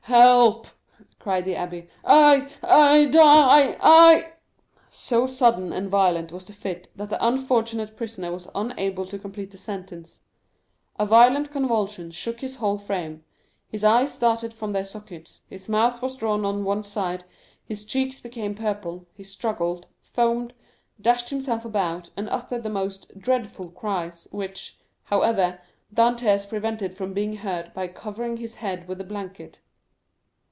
help!" cried the abbé, "I—I—die—I——" 0229m So sudden and violent was the fit that the unfortunate prisoner was unable to complete the sentence; a violent convulsion shook his whole frame, his eyes started from their sockets, his mouth was drawn on one side, his cheeks became purple, he struggled, foamed, dashed himself about, and uttered the most dreadful cries, which, however, Dantès prevented from being heard by covering his head with the blanket.